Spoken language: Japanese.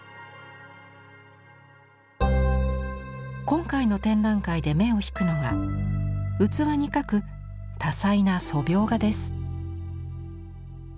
今回の展覧会で目を引くのが器に描く多彩な素描画です。